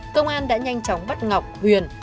công an đã nhanh chóng bắt ngọc huyền